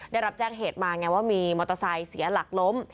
ได้รับแจ้งเหตุมาไงว่ามีมอเตอร์ไซค์เสียหลักล้ม